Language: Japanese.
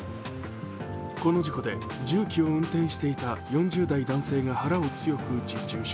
この事故で重機を運転していた４０代男性が腹を強く打ち重傷。